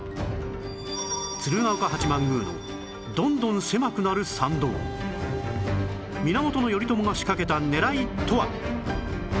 鶴岡八幡宮のどんどん狭くなる参道源頼朝が仕掛けた狙いとは？